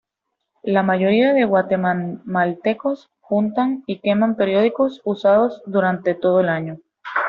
La mayoría de guatemaltecos juntan y queman periódicos usados durante todo el año.